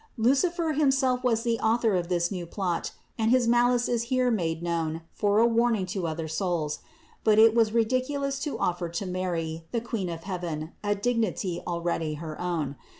344. Lucifer himself was the author of this new plot and his malice is here made known for a warning to other souls. But it was ridiculous to offer to Mary, the Queen of heaven, a dignity already her own.